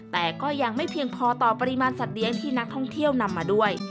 แต่ก็ยังไม่เพียงพอต่อปริมาณสัตว์เลี้ยงที่นักท่องเที่ยวนำมาด้วย